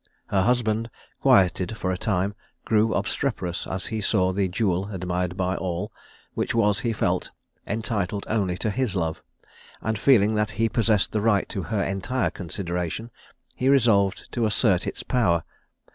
Her husband, quieted for a time, grew obstreperous as he saw the jewel admired by all, which was, he felt, entitled only to his love; and feeling that he possessed the right to her entire consideration, he resolved to assert its power.